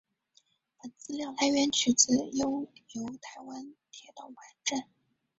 本资料来源取自悠游台湾铁道网站。